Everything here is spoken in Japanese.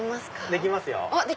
できますよ。